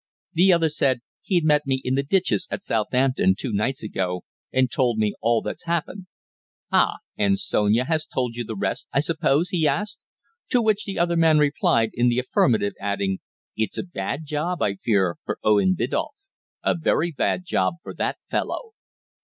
The other said: 'He met me, in the Ditches at Southampton, two nights ago, and told me all that's happened.' 'Ah! And Sonia has told you the rest, I suppose?' he asked; to which the other man replied in the affirmative, adding: 'It's a bad job, I fear, for Owen Biddulph a very bad job for the fellow!'